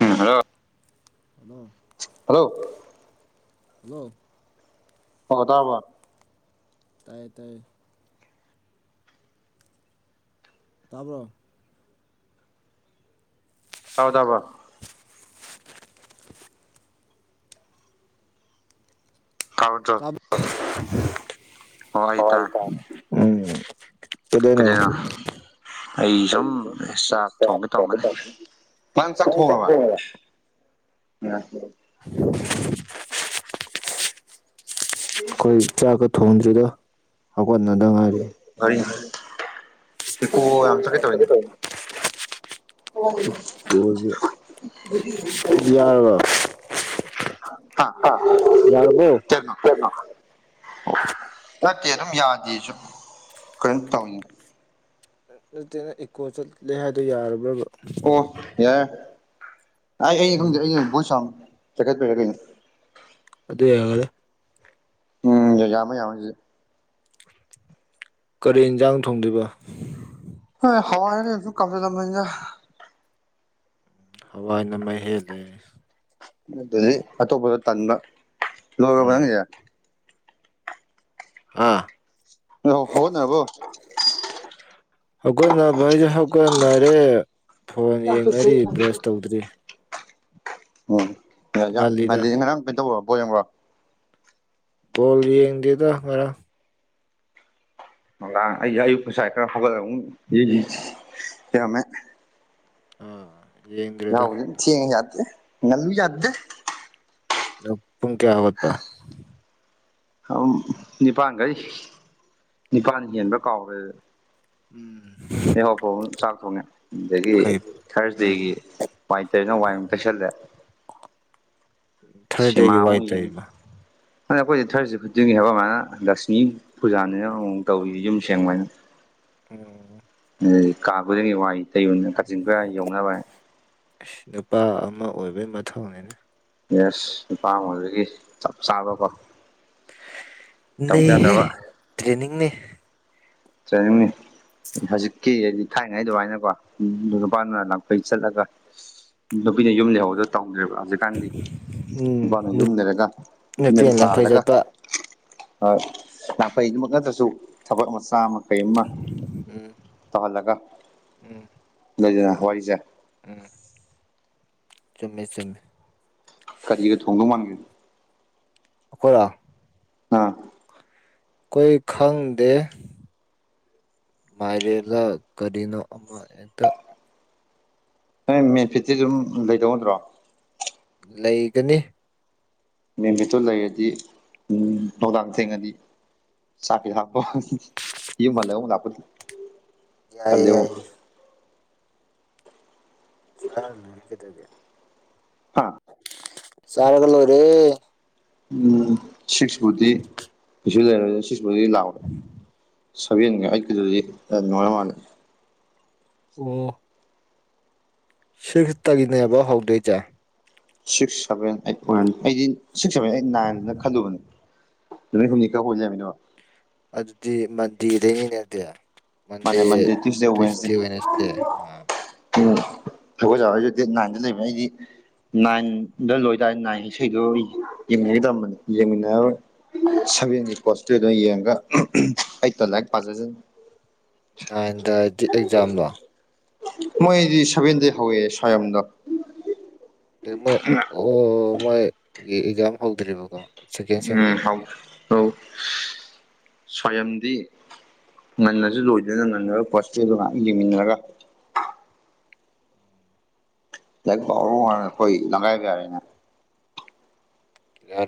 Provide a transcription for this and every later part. hello hello hello hello ꯑꯣ ꯇꯔꯕ ꯇꯥꯢꯌꯦ ꯇꯥꯢꯌꯦ ꯇꯥꯔꯕ [unintelligible] ꯇꯥꯕ [unintelligible] ꯑꯣ ꯑꯩ ꯇꯥꯔꯦ [unintelligible] ꯎꯝ ꯀꯩꯗꯧꯅꯣ ꯀꯩꯗꯩꯅꯣ ꯑꯩ ꯁꯨꯝ ꯆꯥꯛ ꯊꯣꯡꯒꯦ ꯇꯧꯔꯝꯃꯅꯤ ꯃꯥꯥꯡ ꯆꯥꯛ ꯅꯪ ꯊꯣꯡꯉꯕ ꯊꯣꯡꯉꯕꯣ ꯑꯣꯏ [unintelligible] ꯀꯣꯏ ꯆꯥꯛꯒ ꯊꯣꯡꯗꯔꯤꯗ ꯍꯧꯒꯠꯅꯗ ꯉꯥꯏꯔꯤ ꯢꯀꯣ ꯌꯥꯝ ꯆꯠꯀꯩ ꯇꯧꯢꯅꯦ ꯁꯨ ꯌꯥꯔꯔꯕ [unintelligible] ꯍꯥ ꯑ ꯌꯥꯔꯕꯣ ꯀꯩꯅꯣ ꯅꯠꯇꯦ ꯑꯗꯨꯝ ꯌꯥꯗꯦꯁꯨ ꯀꯩꯅꯣꯝ ꯇꯧꯏ ꯅꯠꯇꯦꯅ ꯏꯀꯣ ꯆꯠꯂꯦ ꯍꯥꯏꯗꯣ ꯌꯥꯔꯕ꯭ꯔꯕ ꯑꯣ ꯌꯥꯔꯦ꯭ ꯑꯩ ꯑꯩꯩꯅ ꯈꯪꯗꯦ ꯑꯩꯅ ꯕꯣꯏ ꯁ꯭ꯑꯣꯡ ꯆꯈꯠꯄꯩꯔ ꯀꯩꯅꯣ ꯑꯗꯨ ꯌꯥꯒꯗ꯭ꯔꯥ ꯎꯝ ꯌꯥꯃꯦ ꯌꯥꯃꯦ ꯀꯔꯤ ꯏꯟꯁꯥꯡ ꯊꯣꯡꯗꯣꯏꯕ ꯍꯋꯥꯢꯂ ꯀꯩꯅꯣ ꯁꯨꯝ ꯀꯝꯁꯤꯜꯂꯝꯕꯅꯤꯗꯥ ꯍꯋꯥꯏ ꯅ ꯃꯥ ꯍꯦꯜꯂꯦ ꯑꯗꯨꯗꯤ ꯑꯇꯣꯞꯄꯗꯣ ꯇꯟꯕ ꯂꯣꯏꯔꯕ ꯅꯪꯒꯤꯁꯦ ꯑꯥ ꯑꯣ ꯍꯧꯒꯠꯅꯔꯕꯣ ꯍꯧꯒꯠꯅꯕ ꯍꯥꯏꯖꯦ ꯍꯧꯒꯠꯅꯔꯦ ꯐꯣꯟ ꯌꯦꯡꯅꯔꯤ ꯕ꯭ꯔꯁ ꯇꯧꯗ꯭ꯔꯤ ꯑꯣ ꯉꯜꯂꯤꯗ ꯉꯜꯂꯤ ꯉꯔꯥꯡ ꯀꯩꯅꯣ ꯇꯧꯕ꯭ꯔꯣ ꯕꯣꯜ ꯌꯦꯡꯕ꯭ꯔꯣ ꯕꯣꯜ ꯌꯦꯡꯗꯦꯗ ꯉꯔꯥꯡ ꯑꯩ ꯑꯌꯨꯛ ꯉꯁꯥꯏ ꯈꯔ ꯍꯧꯒꯠꯂꯃꯨꯛ ꯌꯦꯡꯉꯝꯃꯦ ꯑ ꯌꯥꯍꯧꯁꯦ ꯊꯦꯡꯉꯨ ꯌꯥꯗꯦ ꯉꯜꯂꯨ ꯌꯥꯗꯦ ꯄꯨꯡ ꯀꯌꯥ ꯍꯧꯋꯥꯠꯄ ꯅꯤꯄꯥꯥꯟꯗ ꯅꯤꯄꯥꯟ ꯍꯦꯟꯕ ꯀꯥꯎꯈ꯭ꯔꯦ ꯎꯝ ꯅꯍꯥꯎꯄꯕ ꯆꯥꯛ ꯊꯣꯡꯉꯦ ꯑꯗꯒꯤ ꯑꯩꯈꯣꯏ ꯎꯝ ꯊꯥꯔꯁꯗꯦꯒꯤ ꯋꯥꯏꯇꯔꯅꯣ ꯋꯥꯏꯇꯁꯂ ꯁꯤꯃꯥ ꯊꯥꯔꯁꯗꯦꯒꯤ ꯋꯥꯏ ꯑꯣꯏꯌꯦꯒ ꯇꯩꯕ ꯑꯗ ꯑꯩꯈꯣꯏꯁ ꯊꯥꯔꯁꯤ ꯈꯨꯗꯤꯡꯒꯤ ꯍꯥꯏꯕ ꯑꯃꯅ ꯂꯁꯅꯤ ꯄꯨꯖꯥꯅꯤꯅ ꯀꯧꯔꯤ ꯌꯨꯝ ꯁꯦꯡꯕꯅ ꯎꯝ ꯀꯥ ꯈꯨꯡꯒꯤ ꯋꯥꯏ ꯇꯩꯌꯨ ꯀꯥꯆꯤꯟ ꯈꯔ ꯌꯧꯅꯕ ꯅꯨꯄꯥ ꯑꯃ ꯑꯣꯏꯕꯩ ꯃꯊꯧꯅꯤꯅꯦ ꯌꯦꯁ ꯅꯨꯄꯥꯃꯒꯤ ꯆꯞ ꯆꯥꯕꯀꯣ ꯇꯧꯗ ꯅꯍꯦ ꯌꯥꯗ꯭ꯔꯕ ꯇ꯭ꯔꯦꯅꯤꯡꯅꯦ ꯆꯥꯏꯃꯤ ꯍꯧꯖꯤꯛꯀꯤ ꯍꯥꯏꯗꯤ ꯊꯥꯏꯅꯉꯩ ꯑꯗꯨꯃꯥꯏꯅꯀꯣ ꯅꯨꯄꯥꯅꯅ ꯂꯥꯛꯐꯩ ꯆꯠꯂꯒ ꯅꯨꯄꯤꯅ ꯌꯨꯝ ꯂꯩꯍꯧꯗ ꯇꯧꯣ ꯦꯕ ꯍꯧꯖꯤꯛꯀꯥꯟꯗꯤ ꯎꯝ ꯅꯨꯄꯥꯅ ꯌꯨꯝ ꯅꯨ- ꯂꯩꯔꯒ ꯅꯨꯄꯤꯅ ꯂꯪꯐꯩ ꯊꯥꯜꯂꯒ ꯆꯠꯄ ꯍꯣꯏ ꯅꯥꯈꯩꯗꯨꯃꯛ ꯅꯠꯇ꯭ꯔꯁꯨ ꯊꯕꯛ ꯃꯆꯥ ꯑꯃ ꯀꯔꯤꯃ ꯎꯝ ꯇꯧꯍꯜꯂꯒ ꯎꯝ ꯅꯣꯏꯗꯅ ꯋꯥꯔꯤꯁꯦ ꯎꯝ ꯆꯨꯝꯃꯦ ꯆꯨꯝꯃꯦ ꯀꯔꯤꯒ ꯊꯣꯡꯗꯧ ꯃꯥꯟꯒꯦ ꯑꯣꯀ ꯑꯥ ꯀꯣꯏ ꯈꯪꯗꯦ ꯃꯥꯏꯔꯦꯂ ꯀꯔꯤꯅꯣ ꯑꯃ ꯑꯦꯛꯇ ꯅꯣꯏ ꯃꯦꯐꯤꯠꯇꯤ ꯑꯗꯨꯝ ꯂꯩꯗꯧꯗ꯭ꯔꯣ ꯂꯩꯒꯅꯤ ꯃꯦꯟꯃꯤꯠꯇꯨ ꯂꯩꯔꯗꯤ ꯎꯝ ꯅꯨꯡꯗꯥꯡ ꯊꯦꯡꯉꯅꯤ ꯁꯥꯀꯤ ꯊꯞꯄꯣ ꯌꯨꯝꯍꯜꯂ ꯑꯃ ꯂꯥꯛꯄ ꯌꯥꯏꯌꯦ ꯇꯜꯂꯦꯕꯨ ꯌꯥꯏꯌꯦ ꯆꯥꯡ ꯍꯒꯗꯦ ꯍꯥ ꯆꯔꯒꯅꯨꯔꯦ ꯎꯝ ꯁ ꯁꯃꯨꯇ ꯄ ꯂꯩ ꯁꯃꯨꯇ ꯂ ꯁꯚꯦꯟꯒ ꯑꯩꯠꯀꯤꯗꯨꯗꯤ ꯌꯥꯝ ꯅꯨꯡꯉꯥꯏꯔ ꯃꯥꯜꯂ ꯑꯣ ꯁꯤ ꯈꯛꯇꯒꯤꯅꯦꯕ ꯍꯧꯗꯣꯏꯁꯦ ꯁꯤꯛꯁ ꯁꯚꯦꯟ ꯑꯩꯠ ꯋꯥꯟ ꯑꯩꯗꯤ ꯁꯤꯛꯁ ꯁꯚꯦꯟ ꯑꯩꯠ ꯅꯥꯏꯟꯅ ꯈꯜꯂꯨꯕꯅꯦ ꯑꯗꯨ ꯍꯅꯤꯀꯥ ꯑꯣꯏꯖꯃꯤꯅꯣ ꯑꯗꯨꯗꯤ ꯃꯟꯗꯤꯔꯗꯩꯅꯤꯅꯦꯗꯤ ꯃꯥ ꯃꯟꯗꯦ ꯇ꯭ꯌꯨꯁꯗꯦꯋꯦꯟꯁꯦ ꯋꯦꯅꯁꯗꯦ ꯎꯝ ꯗꯦꯠ ꯅꯥꯏꯟꯗ ꯂꯩꯕꯅꯦ ꯑꯩꯗꯤ ꯅꯥꯏꯟꯗ ꯂꯣꯏꯇꯥꯔꯦ ꯅꯥꯏꯟ ꯏꯁꯩꯗꯨꯣ ꯌꯦꯡꯟꯅꯈꯤ ꯇꯝꯕꯅꯤ ꯌꯦꯡꯃꯤꯟꯅꯔꯔꯣꯏ ꯁꯚꯦꯟꯒꯤ ꯏꯁꯄꯣꯁꯇꯨꯗ ꯌꯦꯡꯉꯒ ꯑꯩꯠꯇ ꯂꯥꯏꯔꯤꯛ ꯄꯥꯖꯖ ꯅꯥꯏꯟꯗ ꯍꯥꯏꯗꯤ ꯑꯦꯛꯖꯥꯝꯗꯣ ꯃꯣꯏꯗꯤ ꯁꯚꯦꯟꯗ ꯍꯧꯋꯦ ꯁ꯭ꯋꯥꯌꯝꯗꯣ ꯑ ꯃꯣꯏ ꯑꯣ ꯃꯣꯏꯒꯤ ꯑꯦꯛꯖꯥꯝ ꯍꯧꯗ꯭ꯔꯤꯕꯀꯣ ꯁꯦꯀꯦꯟ ꯎꯝ ꯁꯦꯝꯒꯤ ꯍꯥꯎ ꯍ ꯁ꯭ꯋꯥꯌꯝꯗꯤ ꯉꯟꯅꯁꯨ ꯂꯣꯏꯗꯅ ꯉꯟꯅꯒ ꯄꯣꯠꯁꯦꯗꯣ ꯉꯥꯏꯍꯥꯛ ꯌꯦꯡꯃꯤꯟꯅꯒ ꯣꯏ ꯂꯪꯒꯥꯏ ꯀ ꯌꯥꯔꯦꯅꯦ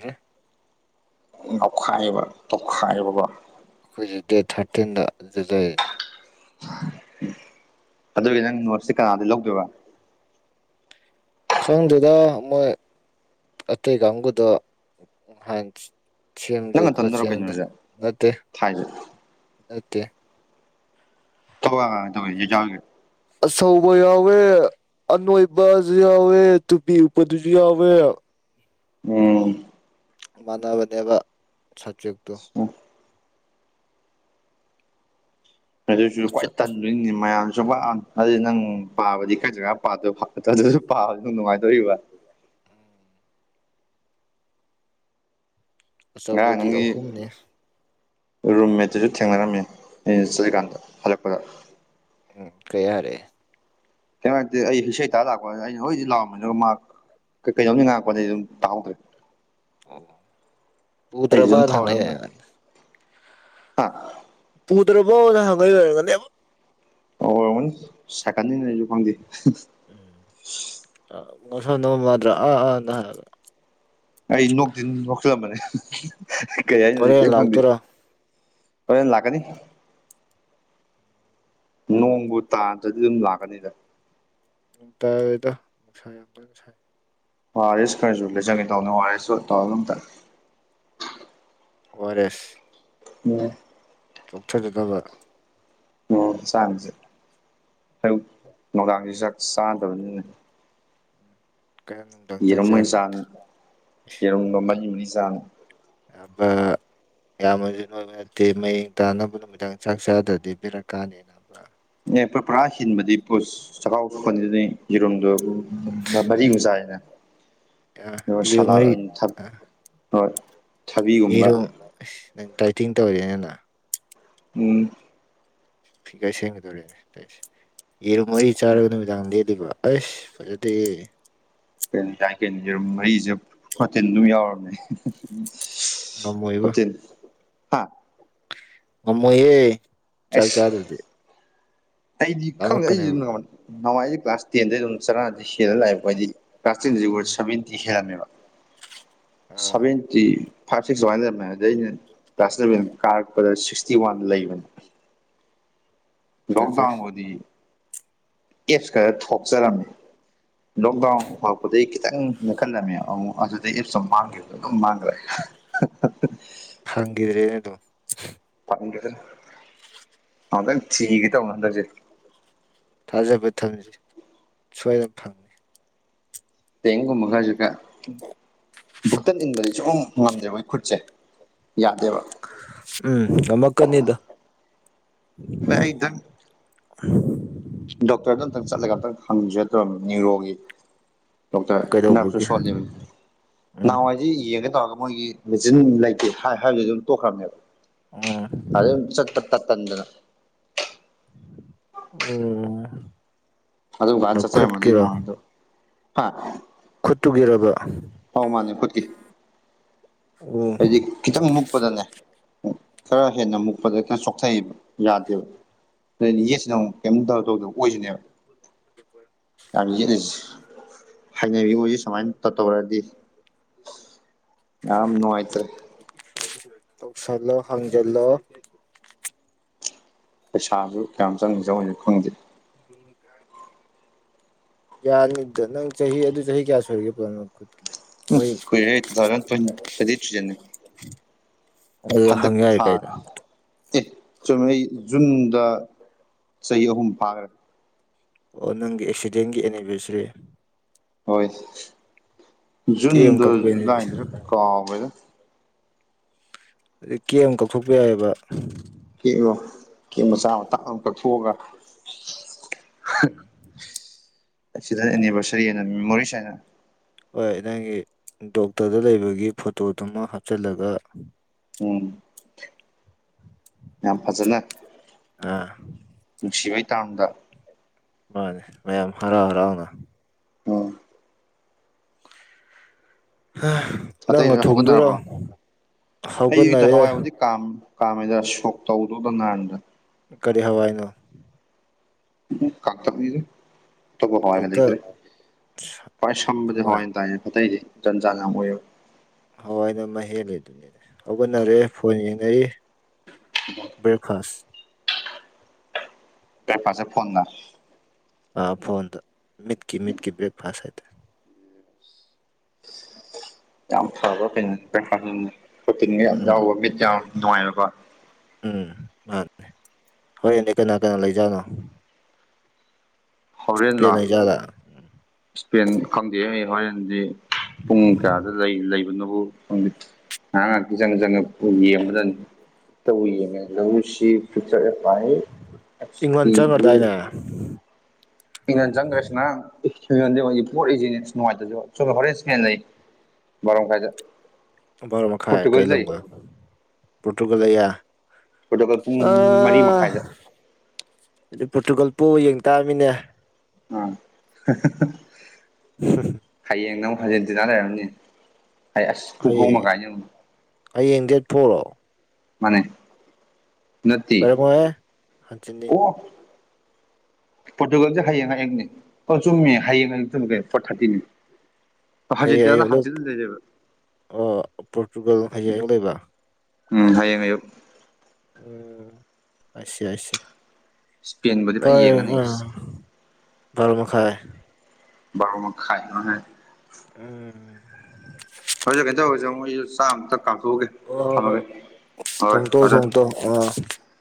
ꯔ ꯅꯣꯛꯈꯥꯏꯕ ꯇꯣꯛꯈꯥꯏꯕꯕ ꯑꯩꯈꯣꯏꯁꯦ ꯗꯦꯠ ꯊꯥꯔꯇꯤꯟꯗ ꯑꯗꯨꯖꯅꯤ ꯑꯗꯨꯒꯤ ꯅꯪ ꯅꯣꯠꯁ ꯀꯅꯥꯗꯤ ꯂꯧꯗꯣꯏꯕ ꯈꯪꯗꯗ ꯃꯣꯏ ꯑꯇꯩ ꯀꯥꯡꯕꯨꯗꯣ ꯍꯥꯏꯅ ꯁꯦꯝꯖꯦ ꯅꯪ ꯅꯊꯟꯗꯔꯣ ꯈꯣꯠꯁꯦꯗ ꯀꯩꯅꯣꯁꯦ ꯅꯠꯇꯦ ꯊꯥꯏꯁꯦ ꯅꯠꯇꯦ ꯊ ꯇ ꯌꯦ ꯌꯥꯥꯎꯒꯦ ꯁꯣ ꯄꯋꯦ ꯑꯅꯣꯏꯕꯁꯨ ꯌꯥꯎꯋꯦ ꯇꯨꯄꯤꯗꯨꯁꯨ ꯌꯥꯎꯋꯦ ꯎꯝ ꯃꯥꯟꯅꯕꯅꯦꯕ ꯁꯕꯖꯦꯛꯇꯨ ꯑꯗꯨꯁꯨ ꯈ꯭ꯋꯥꯏ ꯑꯆꯧ- ꯑꯆ- ꯇꯟꯗꯣꯏꯅꯤꯅꯤ ꯃꯌꯥꯝꯁꯨ ꯑꯗꯨꯗꯤ ꯅꯪ ꯄꯥꯕꯗꯤ ꯀꯩꯁꯨ ꯉ ꯄꯥ ꯄꯥꯕ ꯅꯨꯡꯉꯥꯏꯇꯣꯔꯤꯕ ꯑꯆꯧꯕꯗꯤ ꯑꯍꯨꯝꯅꯦ ꯔꯨꯝ ꯃꯠꯇꯨꯁꯨ ꯊꯦꯡꯅꯔꯝꯃꯤ ꯑꯩꯅ ꯆꯠꯂꯤꯀꯥꯟꯗ ꯍꯜꯂꯛꯄꯗ ꯎꯝ ꯀꯩ ꯍꯥꯏꯔꯦ ꯀꯩꯅꯣ ꯍꯥꯏꯇꯦ ꯑꯩ ꯏꯁꯩꯇꯥꯥ ꯂꯥꯛꯄ ꯑꯩꯅ ꯍꯣꯏꯗꯤ ꯂꯥꯎꯔꯝꯅꯤ ꯑꯗꯨꯒ ꯃꯍꯥꯛ ꯀꯩꯗꯧꯅꯤ ꯉꯉꯄꯗꯩ ꯑꯗꯨꯝ ꯇꯥꯍꯧꯗ꯭ꯔꯦ ꯑꯣ ꯑꯩꯁꯨ ꯑꯗꯨꯝ ꯄꯨꯗ꯭ꯔꯕꯅ ꯍꯪꯉꯛꯑꯦ ꯊꯥꯎꯋꯦꯅ ꯑꯩꯉꯣꯟꯗ ꯑꯥ ꯄ ꯄꯨꯇ꯭ꯔ ꯄ ꯍꯪꯒ ꯑꯣꯏꯔꯒꯦ ꯑ ꯁꯀꯥꯟꯗꯁꯨ ꯐꯪꯗꯦ ꯎꯝ ꯃꯁ ꯃꯥꯗ꯭ꯔ ꯑ ꯑ ꯍꯥꯏ ꯑꯩ ꯅꯣꯛꯇ ꯅꯣꯛꯁꯤꯜꯂꯝꯕꯅꯦ ꯀꯩ ꯍꯥꯏꯅꯣꯖꯤ ꯍꯣꯔꯦꯟ ꯀꯩ ꯐꯪꯗꯦ ꯂꯥꯛꯇꯣꯏꯔꯣ ꯍꯣꯏꯅ ꯂꯥꯛꯀꯅꯤ ꯅꯣꯡꯕꯨ ꯇꯥꯗ꯭ꯔꯗꯤ ꯑꯗꯨꯝ ꯂꯥꯛꯀꯅꯤꯗ ꯅꯣꯡ ꯇꯥꯗ ꯅꯨꯡꯁꯥ ꯌꯥꯝ ꯂꯅ ꯁꯥꯏ ꯍꯔꯦꯁ ꯈꯔꯁꯨ ꯂꯩ ꯆꯪꯉꯦ ꯇꯧꯅꯉꯔꯦꯁꯨ ꯇꯧ ꯑꯗꯨ ꯇ ꯑꯣꯔ ꯑꯦꯁ ꯎꯝ ꯆꯣꯛꯊ ꯆꯗ ꯑꯣ ꯆꯥꯡꯁꯦ ꯑꯌꯨꯛ ꯅꯨꯡꯗꯥꯡꯁꯤꯁꯨ ꯆꯥꯛ ꯆꯥꯗꯕꯅꯤꯅ ꯀꯩꯅꯣ ꯅꯨꯡꯗꯥꯡ ꯆꯥꯛ ꯌꯦꯔꯝꯉꯣꯏꯩ ꯆꯥꯔꯤ ꯆꯥꯡ ꯌꯦꯔꯨꯝꯕ ꯃꯔꯤ ꯃꯔꯤ ꯆꯥꯡ ꯑꯕ ꯑꯌꯥꯝꯅꯁꯨ ꯅꯣꯏꯕ ꯅꯠꯇꯦ ꯃꯌꯦꯡ ꯇꯥꯅꯕ ꯅꯨꯃꯤꯗꯥꯡ ꯆꯥꯛ ꯆꯥꯗ꯭ꯔꯗꯤ ꯄꯤꯔꯛꯀꯥꯟꯗꯅꯕ꯭ꯔꯥ ꯑꯦꯣꯏ ꯄꯨꯔꯥ ꯍꯤꯟꯕꯗꯤꯣ ꯆꯀꯥꯎꯊꯄꯅꯤꯅꯤ ꯌꯦꯔꯨꯝꯗꯣ ꯃꯔꯤ ꯃ ꯆꯥꯏꯅ ꯏꯔꯨ ꯁꯥꯂ ꯃꯔꯤ ꯊ ꯏꯔꯣ ꯅꯪ ꯇꯥꯏꯇꯤꯡ ꯇꯧꯔꯦꯅꯦꯅ ꯎꯝ ꯐꯤꯒꯔ ꯁꯦꯝꯒꯗꯧꯔꯦꯁꯦ ꯌꯦꯔꯨꯝ ꯃꯔꯤ ꯆꯥꯔꯒ ꯅꯨꯃꯤꯗꯥꯡꯗ ꯕ ꯑꯁ ꯐꯖꯗꯦ ꯀꯦꯅꯤ ꯇꯥ ꯀꯦꯅꯤꯔ ꯃꯔꯤꯁꯦ ꯐꯣꯇꯤꯟ ꯑꯗꯨꯝ ꯌꯥꯎꯔꯕꯝꯅꯦ ꯉꯝ ꯑꯣꯏꯕ ꯍꯥꯥ ꯃꯃꯣ ꯍ ꯆꯥꯛ ꯑꯩꯁ ꯆꯥꯗꯗꯤ ꯑꯩꯗꯤ ꯈꯪꯗꯛꯏꯁꯦ ꯅꯅꯨꯡꯉꯥꯏꯖꯦ ꯀ꯭ꯂꯥꯁ ꯇꯦꯟꯗꯩ ꯑꯗꯨꯝ ꯆꯔꯥꯗꯤ ꯍꯦꯟꯅ ꯂꯥꯛꯑꯦꯕꯣꯏꯗꯤ ꯀꯥꯁꯇꯤꯟ ꯖ ꯎꯝ ꯁ ꯃꯤꯤ ꯍꯦꯔꯅꯦꯕ ꯑꯥ ꯁꯚꯦꯟꯇꯤ ꯐꯥꯏꯚ ꯁꯤꯁ ꯋꯥꯟꯅꯦ ꯀ꯭ꯂꯥꯁ ꯁꯂꯚꯦꯟ ꯀꯥꯔꯛꯄꯗ ꯁꯤꯛꯁꯇꯤ ꯋꯥꯟꯗ ꯂꯩꯕꯅꯤ ꯐꯖꯩ ꯂꯣꯛꯗꯥꯕꯗꯤ ꯑꯦꯞꯁ ꯈꯔ ꯊꯣꯛꯆꯔꯝꯃꯤv ꯂꯣꯛꯗꯥꯎꯟ ꯍꯧꯔꯛꯄꯗꯒꯤ ꯈꯤꯇꯪ ꯅꯦꯈꯠꯂꯝꯃꯦ ꯑꯃꯨꯛ ꯑꯗꯨꯗꯤ ꯑꯦ ꯃꯥꯡꯈꯤꯕ ꯑꯗꯨꯝ ꯃꯥꯡꯈ꯭ꯔꯦ [inaudible] ꯍꯗ꯭ꯔꯦ ꯅꯣ ꯎꯗꯗ [unintelligible] ꯃꯪ ꯊꯤꯒꯦ ꯇꯧꯅꯦ ꯊꯥꯖꯕ ꯊꯝꯖ ꯁꯣꯏꯗꯅ ꯐꯪ ꯇꯦꯡꯒꯨꯝꯕ ꯈꯔꯁꯨ ꯈ ꯕꯨꯛꯇꯟ ꯏꯟꯕꯗꯤ ꯁꯝ ꯉꯝꯗꯦ ꯃꯣꯏ ꯈꯠꯆꯦ ꯎꯝ ꯌꯥꯝꯃ ꯀꯅꯤꯗ ꯏꯗꯪ ꯎꯝ ꯗꯣꯛꯇꯔꯗꯣ ꯑꯝꯇꯪ ꯆꯠꯂꯒ ꯑꯝꯇꯪ ꯍꯪꯁꯦꯠꯇ ꯅꯅꯤꯌꯨꯔꯣꯒꯤ ꯗꯣꯛꯇꯔ ꯀꯩꯗꯧꯕꯒꯤ ꯅꯔꯁꯁꯨꯨ ꯁꯣꯜꯂꯤꯕꯅꯤ ꯎꯝ ꯅꯍꯥꯟꯋꯥꯏꯁꯤ ꯌꯦꯡꯒꯦ ꯇꯧꯔꯒ ꯃꯣꯏꯒꯤ ꯃꯦꯆꯤꯟ ꯂꯩꯇꯦ ꯍꯥꯏꯕꯗꯨ ꯑꯗꯨꯝ ꯇꯣꯛꯈ꯭ꯔꯕꯅꯦꯕ ꯎꯝ ꯑꯗꯩ ꯑꯗꯨꯝ ꯆꯠꯄ ꯇꯠ ꯇꯟꯗꯅ ꯑꯣꯝ ꯑꯗꯨ ꯜ ꯆꯆ ꯃꯗꯤ ꯅꯅꯨꯡꯗꯣ ꯍꯥ ꯈꯨꯠꯇꯨꯒꯤꯔꯔꯕ ꯑꯧ ꯃꯥꯅꯦ ꯐꯠꯀꯤ ꯎꯝ ꯍꯥꯏꯗꯤ ꯈꯤꯇꯪ ꯃꯨꯛꯄꯗꯅꯦ ꯈꯔ ꯍꯦꯟꯅ ꯃꯨꯛꯄꯗ ꯀꯩꯅ ꯁꯣꯛꯊꯩꯑꯕ ꯌꯥꯗꯦꯕ ꯌꯦꯁ ꯅꯪꯨꯛ ꯀꯩꯝꯇ ꯇꯧꯗ ꯑꯣꯏꯁꯤꯅꯦꯕ ꯌꯥꯝ ꯌꯦꯠꯂꯁꯤ ꯍꯥꯏꯅꯕꯤꯁꯦ ꯁꯨꯃꯥꯏꯅ ꯇ ꯇꯧꯔꯗꯤ ꯌꯥꯝꯝ ꯅꯨꯡꯉꯥꯏ ꯇꯧꯁꯂꯣ ꯍꯥꯡꯒꯦꯣ ꯄꯩꯁꯥꯁꯨ ꯀꯌꯥꯝ ꯆꯪ ꯆꯧꯁꯦ ꯈꯪꯗꯦ ꯎ ꯌꯥꯅꯤꯗ ꯅꯪ ꯆꯍꯤ ꯑꯗꯨ ꯆꯍꯤ ꯀꯌꯥ ꯁꯣꯏꯔꯤꯒꯦ ꯄꯣꯅ ꯈꯨꯠꯀꯤꯗꯣ ꯃꯣꯏ ꯀꯨꯏꯔꯦ ꯇꯨ ꯊꯥꯎꯖꯟ ꯊ꯭ꯔꯤꯖꯅꯤ ꯑꯗꯨꯗ ꯍꯖꯤꯛ ꯍꯪ ꯌꯥꯏ ꯊꯥ ꯀꯥꯏꯗ ꯆꯃꯩ ꯖꯨꯟꯗ ꯆꯍꯤ ꯑꯍꯨꯝ ꯐꯥꯈ꯭ꯔꯦ ꯑꯣ ꯅꯪꯒꯤ ꯑꯦꯛꯁꯤꯗꯦꯟꯒꯤ ꯑꯦꯅꯤꯚꯔꯁꯔꯤ ꯍꯣꯏ ꯀꯦꯝ ꯖꯨꯟꯗ ꯀꯛꯄꯩꯅꯤꯗꯤ ꯖꯨꯂꯥꯏꯗꯔ ꯀꯥꯎꯕꯗ ꯑꯗꯩ ꯀꯦꯝ ꯀꯛꯊꯣꯛꯄ ꯌꯥꯏꯑꯕ ꯀꯉꯣ ꯀ ꯃꯆꯥ ꯃ ꯑꯃ ꯀꯛꯊꯣꯛꯑꯒ ꯑꯦꯛꯁꯤꯗꯦꯟ ꯑꯦꯅꯤꯚꯔꯁꯔꯤ ꯍꯥꯏꯅ ꯃꯦꯃꯣꯔꯤꯁ ꯍꯥꯏꯅ ꯍꯣꯏ ꯅꯪꯒꯤ ꯗꯣꯛꯇꯔꯗ ꯂꯩꯕꯒꯤ ꯐꯣꯇꯣꯗꯨꯃ ꯍꯥꯞꯆꯤꯜꯂꯒ ꯎꯝ ꯌꯥꯝ ꯐꯖꯅ ꯑꯥ ꯅꯨꯡꯁꯤꯕꯩ ꯇꯥꯡꯗ ꯃꯥꯅꯦ ꯃꯌꯥꯝ ꯍꯔꯥꯎ ꯍꯔꯥꯎꯅ ꯑꯣ ꯑꯇꯩ ꯅꯪꯅ ꯂꯣꯏ ꯊꯣꯡꯗꯣꯏꯔꯣ ꯍꯧꯒꯠꯅꯔꯕ ꯑꯩꯛꯇ ꯍꯧꯒꯠꯅꯔꯦ ꯍꯋꯥꯏꯕꯨꯗꯤ ꯀꯥꯝꯃꯤ ꯀꯃꯦꯗ ꯁꯣꯛ ꯇꯕꯨꯗꯣꯗ ꯅꯟꯗ ꯀꯔꯤ ꯍꯋꯥꯏ ꯅꯣ ꯀꯝ ꯊꯁꯦ ꯄ ꯍꯋꯥꯒ ꯂꯩ ꯑꯝꯇ ꯂꯩꯗ꯭ꯔꯦ ꯄꯥꯏ ꯁꯝꯕꯗꯤ ꯍꯋꯥ ꯍꯋꯥꯏ ꯏꯟ ꯇ ꯐꯠꯇꯗꯤ ꯟꯖꯂ ꯑꯃ ꯑꯣꯏꯣ ꯍꯣꯏ ꯅꯃ ꯍꯦꯜꯂꯤꯗꯨꯅꯤꯅꯦ ꯍꯧꯒꯠꯅꯔꯦ ꯐꯣꯟ ꯌꯦꯡꯅꯔꯤ ꯕꯔꯈꯥꯁ ꯀꯄꯥꯁꯦ ꯐꯣꯟꯅ ꯐꯣꯟꯗ ꯃꯤꯠꯀꯤ ꯃꯤꯠꯀꯤ ꯕ꯭ꯔꯦꯛꯐꯥꯁ ꯍꯥꯏꯇꯥꯔꯦ ꯌꯥꯝ ꯐꯕ ꯐꯇꯤꯟꯒ ꯌꯥꯝ ꯎꯝ ꯌꯥꯎꯕ ꯃꯤꯠ ꯌꯥꯝ ꯅꯨꯡꯉꯥꯏꯕꯀꯣ ꯎꯝ ꯃꯥꯅꯦ ꯍꯣꯏ ꯑꯗꯨꯗꯤ ꯀꯅꯥ ꯀꯅꯥ ꯂꯩꯖꯥꯠꯅꯣ ꯏꯁꯄ ꯅꯖꯗꯥ ꯄꯦꯟ ꯈꯪꯗꯦ ꯑꯩ ꯍꯔꯦꯟꯗꯤ ꯄꯨꯡ ꯀꯌꯥꯗ ꯂꯩ ꯂꯩꯕꯅꯣꯕꯨ ꯅꯉꯈꯤꯖꯪꯖ ꯄꯨ ꯌꯦ ꯑꯃ ꯇꯧ ꯌꯦꯁꯤ ꯌ ꯏꯪꯂꯟ ꯆꯪꯒ꯭ꯔꯗꯥꯏꯅꯦ ꯏ ꯆꯟ ꯔꯦꯁꯅ ꯑꯩꯉꯣꯟꯗ ꯃꯣꯏꯒꯤ ꯄꯣꯠꯂꯤꯁꯤꯅꯦ ꯅꯨꯡꯉꯥꯏꯇꯁꯨ ꯍꯣꯔꯦꯟꯁ ꯃꯦꯟꯅꯩ ꯃꯔꯕꯥꯔꯝ ꯃꯈꯥꯏꯗ ꯚꯔꯣ ꯃꯈꯥꯏ ꯀꯩ ꯄꯣꯔꯇꯨꯒꯜꯁꯨ ꯂꯩ ꯂꯝꯒꯣ ꯄꯣꯔꯇꯨꯒꯜ ꯑꯌꯥ ꯑ ꯄꯣꯔꯇꯨꯒꯜ ꯄꯨꯡ ꯃꯔꯤ ꯃꯈꯥꯏꯗ ꯄꯇꯨꯒꯜ ꯄꯣꯔꯒ ꯌꯦꯡꯇꯥꯃꯤꯅꯦ ꯑꯥ [unintelligible] ꯍꯌꯦꯡꯅ ꯑꯃꯨꯛ ꯊꯥꯖꯤꯟꯗꯨꯅ ꯂꯩꯔꯕꯝꯅꯦ ꯑꯩ ꯑꯁ ꯄꯨꯡꯐꯧ ꯍꯌꯦꯡ ꯃꯈꯒꯥꯏꯅꯦ ꯍꯌꯦꯡ ꯗꯦꯠ ꯊꯣꯛꯣꯔꯛꯑꯣ ꯃꯅꯦ ꯅ ꯑꯣꯏꯔꯝꯃꯣꯏꯍꯦ ꯍꯟꯆꯤꯠꯅꯤ ꯑꯣ ꯄꯣꯔꯇꯨꯒꯜꯁꯦ ꯍꯌꯦꯡ ꯍꯌꯦꯡꯅꯤ ꯑꯣ ꯆꯨꯝꯃꯦ ꯍꯌꯦꯡ ꯍꯌꯦꯡ ꯆꯨꯝꯂꯒꯦ ꯐꯣꯔ ꯊꯥꯔꯇꯤꯅꯤ ꯍꯌꯦꯡ ꯑꯌꯨ ꯑꯥꯔꯖꯦꯟꯇꯤꯅꯥꯅ ꯍꯥꯡꯆꯤꯠ ꯂꯩꯔꯦꯕ ꯑꯣ ꯄꯣꯔꯇꯨꯒꯜ ꯍꯌꯦꯡ ꯑꯌꯨꯛ ꯂꯩꯕ꯭ꯔ ꯎꯝ ꯍꯌꯦꯡ ꯑꯌꯨꯛ ꯎ ꯑꯁꯤ ꯑ ꯏꯁꯄꯦꯟꯕꯨꯗꯤ ꯐꯖꯅ ꯇꯣꯏ ꯌꯦꯡꯉꯅꯤ ꯎ ꯔ ꯃꯈꯈꯥꯏ ꯕꯥꯔꯣ ꯃꯈꯥꯏ [inaudible] ꯎꯝ ꯍꯣꯏꯁꯦ ꯀꯩꯅꯣ ꯇꯧꯔꯁꯦ ꯑꯃꯨꯛ ꯑꯩꯁꯨ ꯆꯥꯝꯃꯨꯛꯇ ꯀꯥꯞꯊꯣꯛꯑꯒꯦ ꯊꯝꯃꯒꯦ ꯍꯣꯏ ꯊꯣꯡ ꯇꯣ ꯊꯝꯃꯦ ꯊꯝꯃꯦ ꯊꯣ ꯇꯣ ꯑ ꯎ